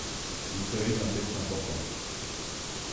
Il s’agit d’un texte important.